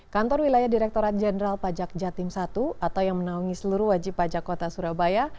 kantor wilayah direkturat jenderal pajak jatim i atau yang menaungi seluruh wajib pajak kota surabaya